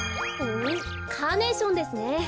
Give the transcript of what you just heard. カーネーションですね。